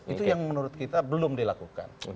itu yang menurut kita belum dilakukan